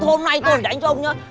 thôi hôm nay tôi phải đánh cho ông nhá